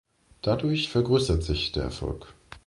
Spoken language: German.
Dadurch vergrößert sich der Erfolg.